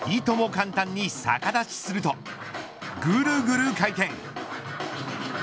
簡単に逆立ちするとぐるぐる回転。